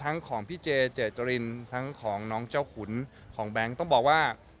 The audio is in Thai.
ของพี่เจเจจรินทั้งของน้องเจ้าขุนของแบงค์ต้องบอกว่า